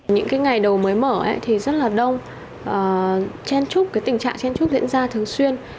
những ngày đầu mới mở thì rất là đông tình trạng chen trúc diễn ra thường xuyên